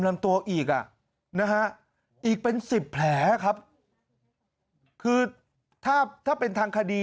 ลำตัวอีกอ่ะนะฮะอีกเป็นสิบแผลครับคือถ้าถ้าเป็นทางคดี